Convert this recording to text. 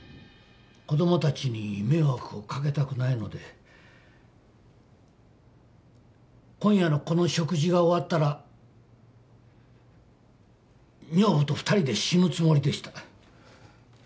子供たちに迷惑をかけたくないので今夜のこの食事が終わったら女房と２人で死ぬつもりでした